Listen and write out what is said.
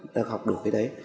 được học được cái đấy